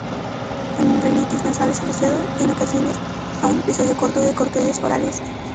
En rinitis nasales asociado en ocasiones a un episodio corto de corticoides orales.